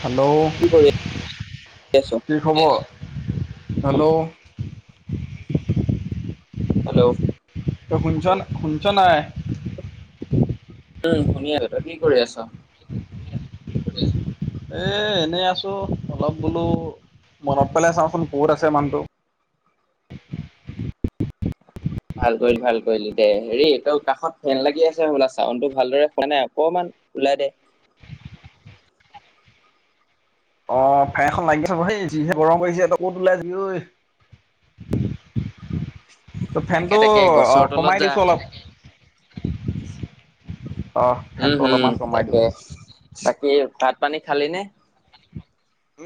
Hello কি কৰি আছ? কি খবৰ। হেল্ল'। হেল্ল'। তই শুনিছ শুনিছ নাই। উম, শুনি আছ তই কি কৰি আছ। এ এনেই আছো, অলপ বোলো। মনত পেলাই চাওঁচোন ক'ত আছে মানুহটো। ভাল কৰিলি, ভাল কৰিলি দে হেৰি তই কাষত ফেন লাগি আছে হ'বলা, চাউণ্ডটো ভালদৰে খোৱা নাই অকমান। ওলাই দে। [inaudible] অ' ফেন এখন লাগিছে ব সেই যিহে গৰম কৰিছে, তই ক'ত ওলাই যি ঐ। ত' তাকে ফেনতটো তাকে গছৰ তলত কমাই যা দিছো অলপ। অ' উম, ফেনটো হম অলপমান কমাই দিওঁ। তাকে তাকে। তাত পানী খালি নে?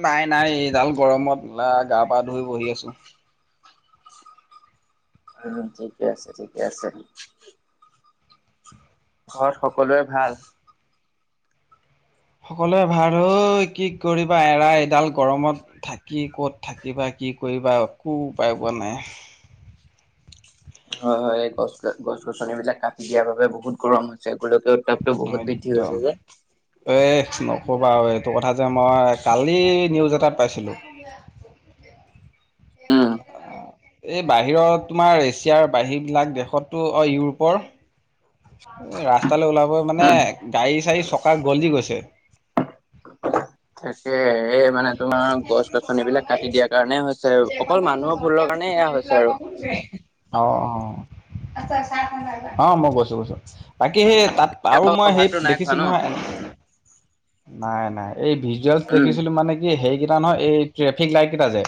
নাই নাই এইডাল গৰমতা গা-পা ধুই বহি আছো। উ ঠিকে আছে ঠিকে আছে। ঘৰত সকলোৱে ভাল। সকলোৱে ভাৰ ঐ কি কৰিবা এৰা এডাল গৰমত। থাকি ক'ত থাকিবা কি কৰিবা একো উপায় পোৱা নাই। হয়, হয় গছ গ গছ গছনিবিলাক কাটি দিয়াৰ বাবে বহুত গৰম হৈছে। ৰ'দ উত্তাপটো বহুত বৃদ্ধি একদম। হৈছে যে এ নকবা বাৰু এইটো কথা যে মই কালি নিউজ এটাত পাইছিলোঁ। [unintelligible] উম এই বাহিৰত তোমাৰ এছিয়াৰ বাহিৰ বিলাক দেশতো অ ইউৰোপৰ ৰাস্তালৈ ওলাব মানে উম। গাড়ী চাড়ী চ ককা গলি গৈছে। তাকে। এই মানে তোমাৰ গছ গছন বিলাক কাটি দিয়াৰ কাৰণে হৈছে অকল মানুহৰ ভুলৰ কাৰণে এয়া হৈছে আৰু। অ, অ, অ মই গৈছো বৈছো। বাকী সেই তাত আৰু মই সেই ভাতটো নাই খোৱা দেখিছিলো ন নহয় নাই নাই। এই ভিজুৱেলছ উম দেখিছিলো মানে কি হেৰিকেইটা নহয় এই ট্ৰেফিক লাইট কেইটা যে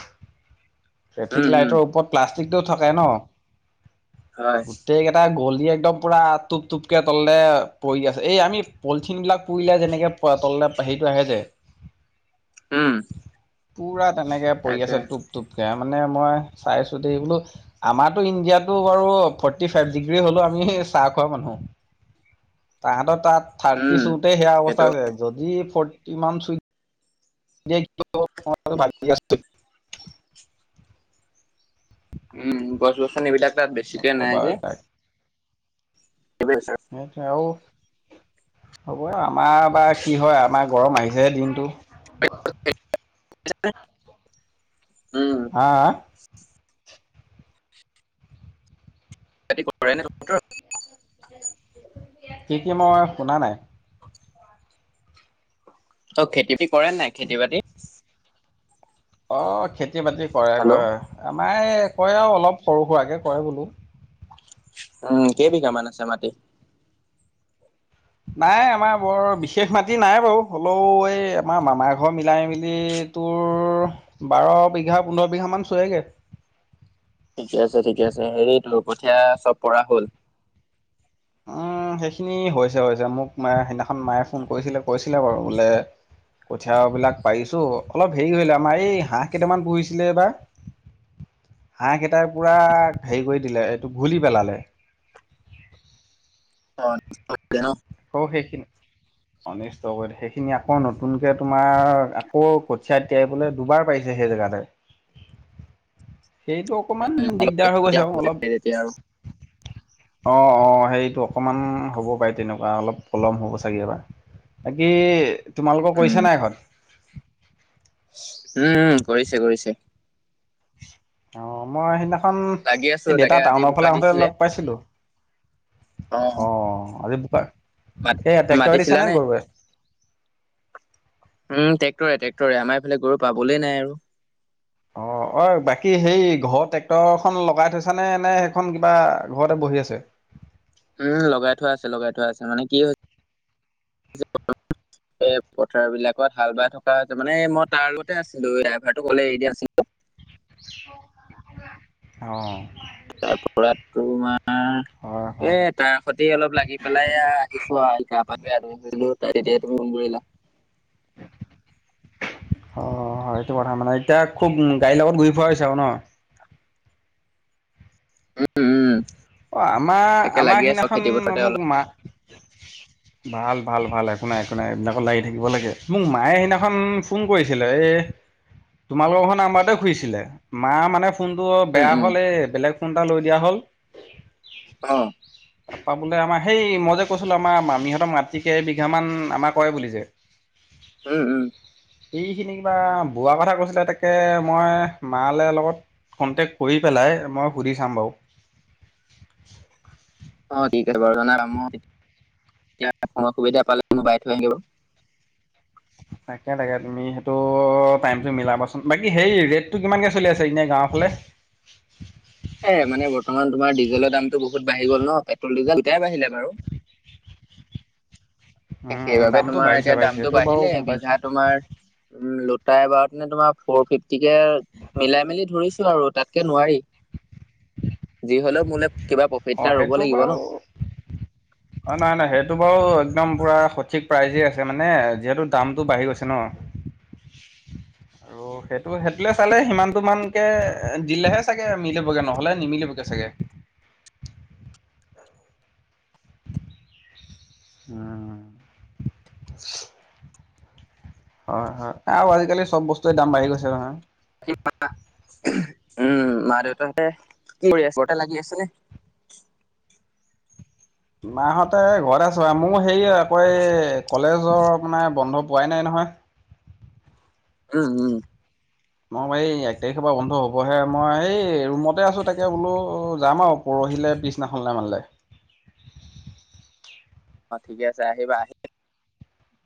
ট্ৰেফিক উম উম লাইটৰ ওপৰত প্লাষ্টিকটোও থাকে ন হয় গোটেইকটা গল একদম পুৰা টোপ টোপকে তলে পৰি আছে এই আমি পলিথিন বিলাক পুৰিলে যেনেকে প তল হেইটো আহে যে উম পুৰা তেনেকে পৰি তাকে আছে টোপ টোপকে মানে মই চাইছো দ বোলো আমাৰো ইণ্ডিয়াতো বাৰু ফৰ্টি ফাইভ ডিগ্ৰী হ'লও আমি চাহ খোৱা মানুহ তাহাঁতৰ তাত থাৰ্টি উম চোতে সেয়া সেইটো অৱস্থা আ যদি ফৰ্টি মান চুই [unintelligible] উম গছ গছন এইবিলাক ত বেছিকে নাই নকবা যে। সেই [unintelligible] হ'ব আৰু আমাৰ বা কি হয় আমাৰ গৰম আহিছেহে দিনটো [unintelligible] হা, আ [unintelligible] কি, কি মই শুনা নাই। অ খেতি বাতি কৰে নাই খেতি বাতি। অ খেতি বাতি কৰে হেল্ল' কৰে আমাৰ এই কয় আৰু অলপ সৰু সুৰাকে কয় বোলো। উম কেইবিঘামান আছে মাটি? নাই আমাৰ বৰ বিশেষ মাটি নাই বাৰু হ'লেও এই আমাৰ মামাৰ ঘৰ মিলাই মেলি তোৰ বাৰ বিঘা পোন্ধৰ বিঘা মান চোৱগে। ঠিকে আছে ঠিকে আছে হেৰিতো কঠীয়া চব পৰা হল। উ। সেইখিনি হৈছে হৈছে মোক ম সেইদিনাখন মায়ে ফোন কৰিছিলে কৈছিলে বাৰু বোলে কঠিয়া বিলাক পাৰিছো অলপ হেৰি হৈল আমাৰ এই হাঁহ কেইটামান পুহিছিলে এইবাৰ হাঁহ কেইটাই পুৰা হেৰি কৰি দিলে এইটো ঘুলি পেলালে [unintelligible] অ [unintelligible] অ সেইখিন। অনিষ্ট কৰি সেইখিনি আকৌ নতুনকে তোমাৰ আকৌ কঠিয়া তিয়াই বোলে দুবাৰ পাইছে। সেই জাগাতে। সেইটো অকণমান দিগদাৰ হৈ গৈছে আৰু অলপ তেতিয়া আৰু অ' অ' সেইটো অকমান হ'ব পাৰে তেনেকুৱা অলপ পলম হ'ব চাগে এইবাৰ। বাকি তোমালোকৰ কৰিছে নে নাই এইখন উম উম কৰিছে কৰিছে। অ' মই সেইদিনা খন লাগি আছো এই দেতা তাকে আজি টাউনৰ বোকা ফালে আহোতে দিছিলে লগ পাইছিলো। অ অঁ, আজি মাত সেয়া ট্ৰেক্টৰে মাতিছিলা দিছে নে গৰুৱে? উম ট্ৰেক্টৰে ট্ৰেক্টৰে, আমাৰ এইফালে গৰু পাবলে নাই আৰু। অ' অই বাকী সেই ঘৰৰ ট্ৰেক্টৰ খন লগাই থৈছা নে নে সেইখন কিবা ঘৰতে বহি কৰি আছে। উম লগাই থোৱা আছে লগাই থোৱা আছে মানে কি হৈছে [inaudible] এ পথাৰবিলাকত হাল বাই থকা তাৰ মানে মই তাৰ লগতে আছিলো, ড্ৰাইভাৰটোক অকলে এৰি দিয়া নাছিলো। অঁ তাৰ পৰা হয় তোমাৰ এ হয় তাৰ সতি অলপ লাগি পেলাই এয়া আহিছো আৰু এতিয়া। তোমাক যে আদৰিম কৈছিলো তেতিয়াই তুমি ফোন কৰিলা। [inaudible] অঁ' হয় তোমাৰ তাৰমানে, এতিয়া খুব গাড়ীৰ লগত ঘূৰি ফুৰা হৈছে আৰু ন? উম উম অ আমাৰ তাকে আমাৰ লাগি আছো সিদিনাখন খেতি পথাৰতে মোক অলপ মা, ভাল ভাল ভাল একো নাই একো নাই, এইবিলাকত লাগি থাকিব লাগে। মোক মায়ে সেইদিনাখন ফোন কৰিছিলে এ' তোমালোকৰখন আমাৰটোৱে খুজিছিলে, মা মানে ফোনটো উম বেয়া উম হ'ল এ বেলেগ ফোন এটা লৈ দিয়া হ'ল। অ' পাবলে আমাৰ সেই মই যে কৈছিলো আমাৰ মামীহঁতৰ মাটি কেইবিঘা মান আমাৰ কৰে বুলি যে [inaudible] উম উম এইখিনি কিবা বোৱা কথা কৈছিলে তাকে মই মালে লগত কন্টেক্ট কৰি পেলাই মই সুধি চাম বাৰু। অ' ঠিক আছে বাৰু, জানা মোৰ এতিয়া সময় সুবিধা পালে মোৰ বাই থৈ আহিব। তাকে তাকে তুমি সেইটো টাইমটো মিলাবাচোন। বাকি হেৰি ৰেটটো কিমানকে চলি আছে এনে গাঁৱত? গাঁৱৰ ফালে? এ মানে বৰ্তমান তোমাৰ ডিজেলৰ দামতটো বহুত বাঢ়ি গ'ল ন পেট্ৰল ডিজেল, তেতিয়াই বাঢ়িলে বাৰু। সে উম, সেইবাবে দামটো তোমাৰ বাঢ়িছে এতিয়া বাঢ়িছে দামটো সেইটো বাৰু বাঢ়িলে গম পাইছোঁ বিঘা তোমাৰ উম তাই এবাৰতে তোমাৰ ফৰ ফিফটিকে মিলাই মেলি ধৰিছো আৰু তাতকে নোৱাৰি। [inaudible] যি হ'লেও মোলে কিবা প্ৰফিট অঁ এটা ৰব লাগিব ন। অ নাই নাই সেইটো বাৰু একদম পুৰা সঠিক প্ৰাইজে আছে মানে যিহেতু দামটো বাঢ়ি গৈছে ন। [inaudible] আৰু সেইটো সেইটোলে চালে সিমানটো মানকে দিলেহে চাগে মিলিবগে নহ'লে নিমিলিবগে চাগে [inaudible] উম হয় হয় আৰু আজিকালি চব বস্তুৰে দাম বাঢ়ি গৈছে নহয়। [inaudible] উম, মা-দেউতাহঁতে কি কৰি আছে? ঘৰতে লাগি আছে নে? মাহঁতে ঘৰত আছে, মোৰ হেৰি আকৌ এই কলেজৰ আপোনাৰ বন্ধ পোৱাই নাই নহয়। উম উম মই এই এক তাৰিখৰ পৰা বন্ধ হবহে মই এই ৰুমতে আছো তাকে বোলো যাম আৰু পৰ [inaudible] পঢ়িলে পিছদিনাখন [inaudible] অ ঠিকে আছে আহিবা আহি [inaudible]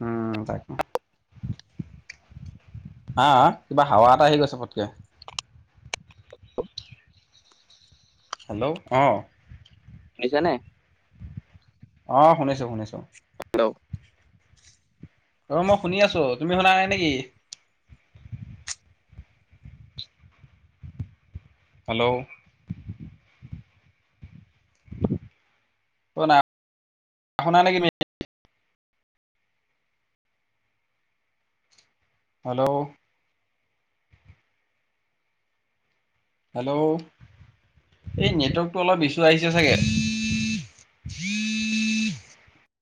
উম তাকে হা কিবা হাৱা এটা আহি গৈছে পটকে হেল্ল' অঁ [inaudible] নে অ শুনিছো শুনিছো হেল্ল' অ মই শুনি আছো তুমি শুনা নাই নেকি হেল্ল' অ নাই শুনা নেকি [inaudible] হেল্ল' হেল্ল' এই নেটৱৰ্কটো অলপ ইছু আহিছে চাগে [inaudible]